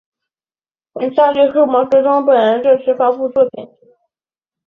以下列出毛泽东本人正式发表作品。